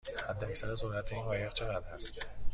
حداکثر سرعت این قایق چقدر است؟